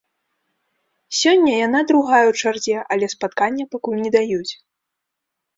Сёння яна другая ў чарзе, але спаткання пакуль не даюць.